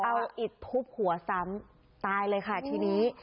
เอาอิดทุบหัวซ้ำตายเลยค่ะทีนี้